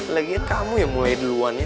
lagian kamu yang mulai duluan ya